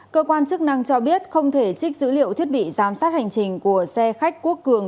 cơ quan chức năng cho biết không thể trích dữ liệu thiết bị giám sát hành trình của xe khách quốc cường